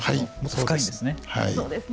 深いんですね。